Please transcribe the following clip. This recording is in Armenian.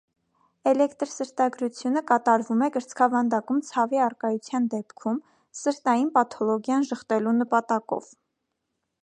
Էլեկտրսրտագրությունը կատարվում է կրծքավանդակում ցավի առկայության դեպքում՝ սրտային պաթոլոգիան ժխտելեւ նպատակով։